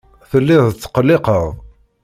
Telliḍ tetqelliqeḍ.